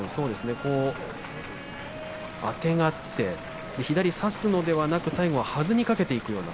あてがって左差すのではなく最後はずにかけていくような